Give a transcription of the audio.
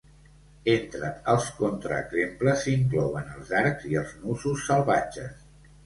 Entre els contraexemples s'inclouen els arcs i els nusos salvatges.